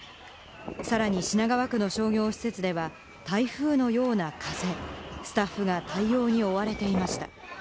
さらに品川区の商業施設では台風のような風、スタッフが対応に追われていました。